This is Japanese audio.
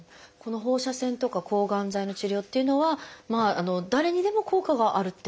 放射線とか抗がん剤の治療っていうのは誰にでも効果があるってものなんですか？